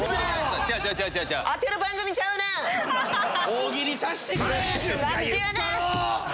大喜利させてくれ！